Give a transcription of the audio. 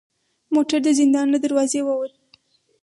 موټر د زندان له دروازې و وت.